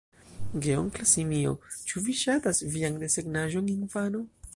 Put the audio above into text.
Geonkla simio: "Ĉu vi ŝatas vian desegnaĵon, infano?"